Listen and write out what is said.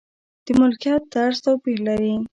د ملکیت طرز توپیر لري.